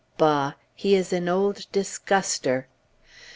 Bah! He is an old disguster!